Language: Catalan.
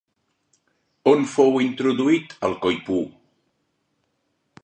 On fou introduït el coipú?